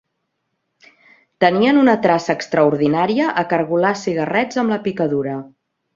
Tenien una traça extraordinària a cargolar cigarrets amb la picadura